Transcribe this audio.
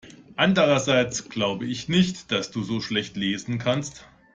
Andererseits glaube ich nicht, dass du so schlecht lesen kannst.